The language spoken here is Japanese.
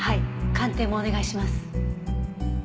鑑定もお願いします。